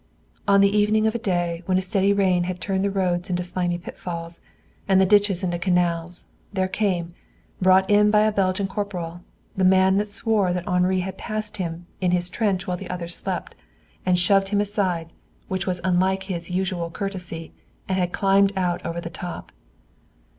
On the evening of a day when a steady rain had turned the roads into slimy pitfalls, and the ditches to canals, there came, brought by a Belgian corporal, the man who swore that Henri had passed him in his trench while the others slept, had shoved him aside, which was unlike his usual courtesy, and had climbed out over the top.